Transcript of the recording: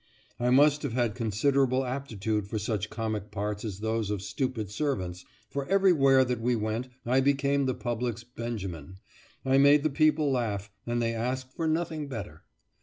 I must have had considerable aptitude for such comic parts as those of stupid servants, for everywhere that we went I became the public's Benjamin. I made the people laugh, and they asked for nothing better.